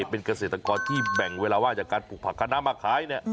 เป็นเกษตรกรที่แบ่งเวลาว่างจากการปลูกผักคณะมาขายเนี่ย